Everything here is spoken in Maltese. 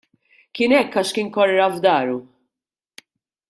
Kien hekk għax kien korra f'dahru.